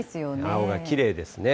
青がきれいですね。